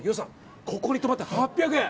ここに止まって、８００円。